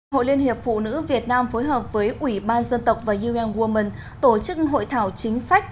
hội liên hiệp phụ nữ việt nam phối hợp với ủy ban dân tộc và un women tổ chức hội thảo chính sách